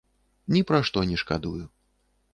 Ні пра што не шкадую.